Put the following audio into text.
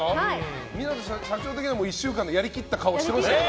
社長的には１週間でやりきった感じしてましたね。